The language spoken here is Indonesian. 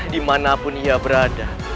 dimanapun ia berada